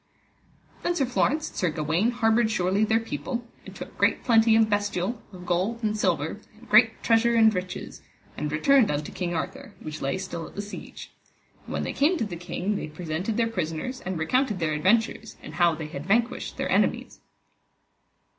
Then Sir Florence and Sir Gawaine harboured surely their people, and took great plenty of bestial, of gold and silver, and great treasure and riches, and returned unto King Arthur, which lay still at the siege. And when they came to the king they presented their prisoners and recounted their adventures, and how they had vanquished their enemies.